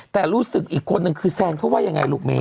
แต่รู้สึกอีกคนนึงคือแซนเขาว่ายังไงลูกเมย